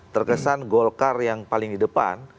terkesan golkar yang paling di depan